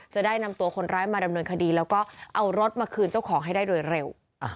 จะได้นำตัวคนร้ายมาดำเนินคดีแล้วก็เอารถมาคืนเจ้าของให้ได้โดยเร็ว